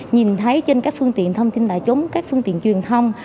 nhìn thấy trên các phương tiện thông tin tài chống các phương tiện truyền thông